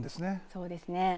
そうですね。